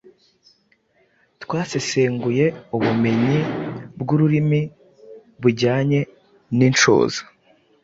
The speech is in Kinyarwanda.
Twasesenguye ubumenyi bw’ururimi bujyanye n’inshoza